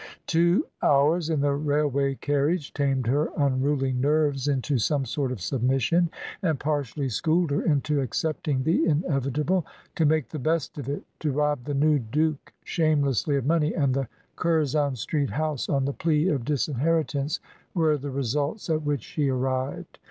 Two hours in the railway carriage tamed her unruly nerves into some sort of submission, and partially schooled her into accepting the inevitable. To make the best of it, to rob the new Duke shamelessly of money and the Curzon Street house, on the plea of disinheritance, were the results at which she arrived.